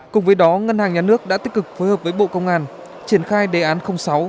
cùng với đó ngân hàng nhà nước đã tích cực phối hợp với bộ công an triển khai đề án sáu